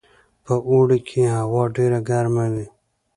په اوړي کې هوا ډیره ګرمه وي